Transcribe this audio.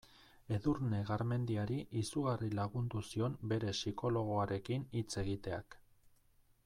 Edurne Garmendiari izugarri lagundu zion bere psikologoarekin hitz egiteak.